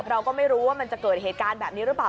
เราก็ไม่รู้ว่ามันจะเกิดเหตุการณ์แบบนี้หรือเปล่า